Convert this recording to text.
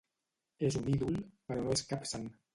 És un ídol, però no és cap sant.